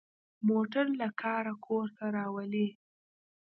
موټر له کاره کور ته راولي.